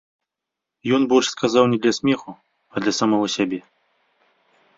Ён больш сказаў не для смеху, а для самога сябе.